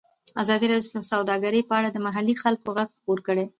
ازادي راډیو د سوداګري په اړه د محلي خلکو غږ خپور کړی.